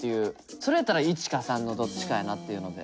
それやったら①か③のどっちかやなというので。